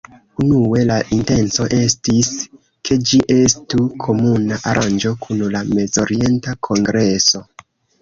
Unue la intenco estis, ke ĝi estu komuna aranĝo kun la Mezorienta Kongreso.